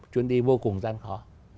chuyến đi vô cùng gian khó